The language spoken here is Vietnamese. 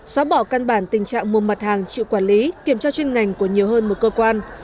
xóa bỏ căn bản tình trạng mua mặt hàng chịu quản lý kiểm trao trên ngành của nhiều hơn một cơ quan